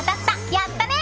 やったね！